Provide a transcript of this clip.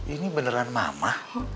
ini beneran mama